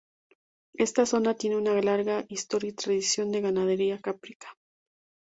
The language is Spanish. Esta zona tiene una larga historia y tradición de ganadería caprina.